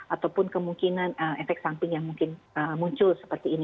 ataupun kemungkinan efek samping yang mungkin muncul seperti ini